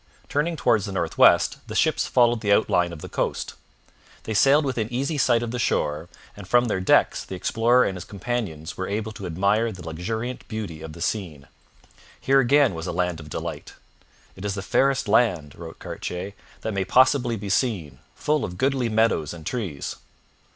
Turning towards the north west, the ships followed the outline of the coast. They sailed within easy sight of the shore, and from their decks the explorer and his companions were able to admire the luxuriant beauty of the scene. Here again was a land of delight: 'It is the fairest land,' wrote Cartier, 'that may possibly be seen, full of goodly meadows and trees.'